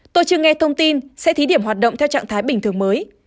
tôi chưa nghe thông tin sẽ thí điểm hoạt động theo trạng thái bình thường mới